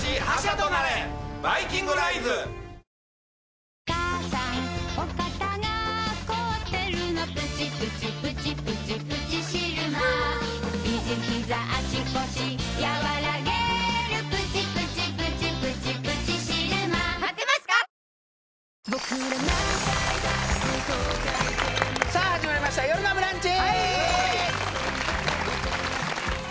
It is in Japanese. おいしさプラスさあ始まりました「よるのブランチ」